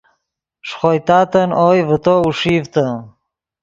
ݰے خوئے تاتن اوئے ڤے تو اوݰیڤتے